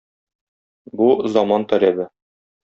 Бу - заман таләбе.